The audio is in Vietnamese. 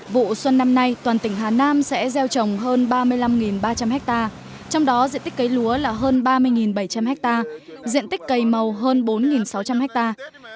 vụ xuân năm nay toàn tỉnh hà nam sẽ gieo trồng hơn ba mươi năm ba trăm linh hectare trong đó diện tích cấy lúa là hơn ba mươi bảy trăm linh hectare diện tích cây màu hơn bốn sáu trăm linh hectare